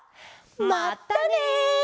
まったね！